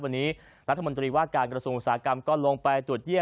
วันนี้รัฐมนตรีว่าการกระทรวงอุตสาหกรรมก็ลงไปตรวจเยี่ยม